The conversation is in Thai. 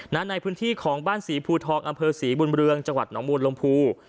ในพื้นที่ของบ้านศรีภูทองอำเภอศรีบุญเรืองจังหวัดหนองมูลลมภู